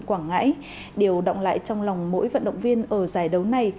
quảng ngãi đều động lại trong lòng mỗi vận động viên ở giải đấu này